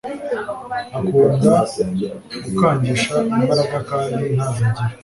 akunda gukangisha imbaraga knd ntazo agira